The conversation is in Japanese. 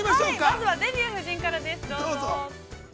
◆まずは「デビュー夫人」ですからです、どうぞ。